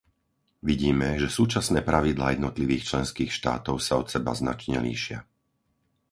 Vidíme, že súčasné pravidlá jednotlivých členských štátov sa od seba značne líšia.